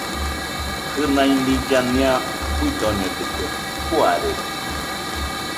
Kɨnai nilla nia fuidoñedɨkue, juarede.